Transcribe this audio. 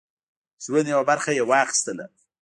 ژوند یوه برخه یې واخیستله.